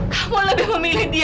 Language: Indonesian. kamu lebih memilih dia